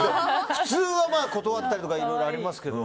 普通は断ったりとかいろいろありますけど。